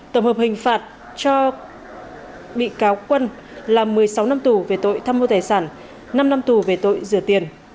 tổng hợp hình phạt cho bị cáo quân là một mươi sáu năm tù về tội tham mô tài sản năm năm tù về tội rửa tiền